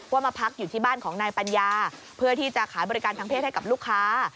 มาพักอยู่ที่บ้านของนายปัญญาเพื่อที่จะขายบริการทางเพศให้กับลูกค้า